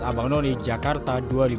abang noni jakarta dua ribu dua puluh dua